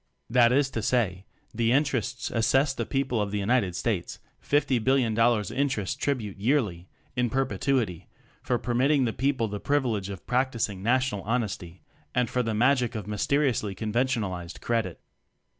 That is to say: "The Interests" as sess the People of the United States fifty billion dollars ($50,000,000,000) "interest" tribute yearly, in perpetuity, for permitting the people the privilege of practicing national honesty and for the magic of (mysteriously con ventionalized) "Credit."